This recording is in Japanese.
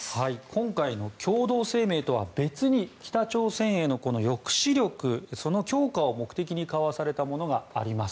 今回の共同声明とは別に北朝鮮への抑止力強化を目的に交わされたものがあります。